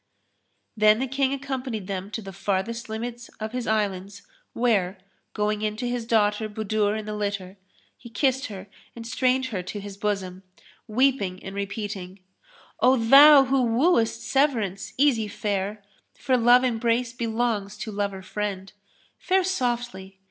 Then the King accompanied them to the farthest limits of his Islands where, going in to his daughter Budur in the litter, he kissed her and strained her to his bosom, weeping and repeating, "O thou who wooest Severance, easy fare! * For love embrace belongs to lover friend: Fare softly!